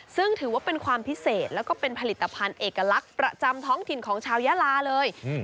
ซึ่งถือว่าเป็นความพิเศษแล้วก็เป็นผลิตภัณฑ์เอกลักษณ์ประจำท้องถิ่นของชาวยาลาเลย